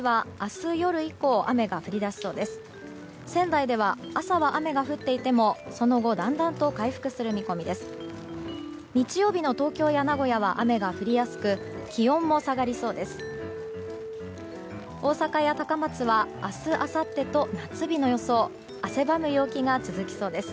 日曜日の東京や名古屋は雨が降りやすく気温も下がりそうです。